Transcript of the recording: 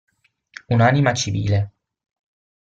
Un'anima civile.